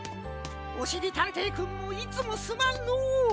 おしりたんていくんもいつもすまんのう。